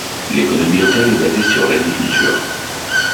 L'économie locale est basée sur l'agriculture.